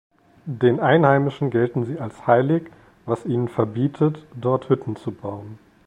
Den Einheimischen gelten sie als heilig, was ihnen verbietet, dort Hütten zu bauen.